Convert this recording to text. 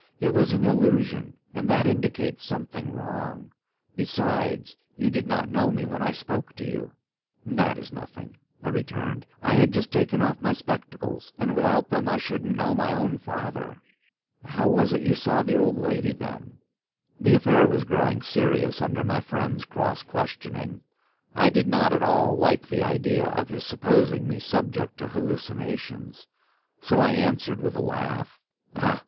It was an illusion, and that indicates something wrong. Besides, you did not know me when I spoke to you.' "'That is nothing," I returned. 'I had just taken off my spectacles, and without them I shouldn't know my own father.' "'How was it you saw the old lady, then?' "The affair was growing serious under my friend's cross questioning. I did not at all like the idea of his supposing me subject to hallucinations. So I answered, with a laugh, 'Ah!